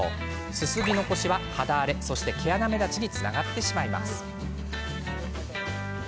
すすぎ残しは、肌荒れそして毛穴目立ちにつながってしまうんです。